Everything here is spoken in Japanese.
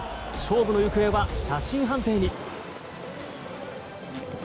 勝負の行方は写真判定に。